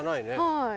はい。